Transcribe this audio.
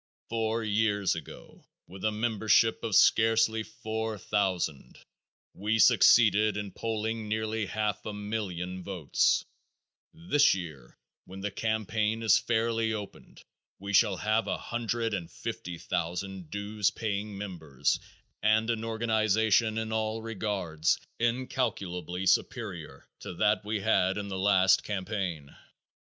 Four years ago with a membership of scarcely forty thousand we succeeded in polling nearly half a million votes; this year when the campaign is fairly opened we shall have a hundred and fifty thousand dues paying members and an organization in all regards incalculably superior to that we had in the last campaign.